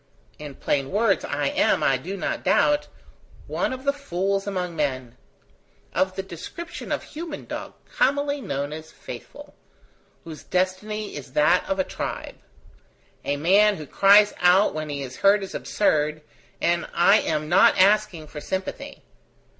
In plain words, I am, I do not doubt, one of the fools among men; of the description of human dog commonly known as faithful whose destiny is that of a tribe. A man who cries out when he is hurt is absurd, and I am not asking for sympathy.